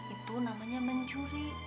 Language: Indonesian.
itu namanya mencuri